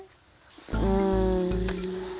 うん。